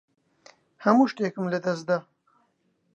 هەموو شتێکم لەدەست دا.